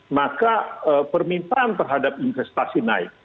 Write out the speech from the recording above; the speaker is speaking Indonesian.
maka permintaan terhadap investasi naik